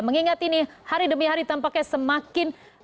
mengingat ini hari demi hari tampaknya semakin